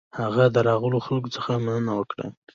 هغه د راغلو خلکو څخه مننه وکړه.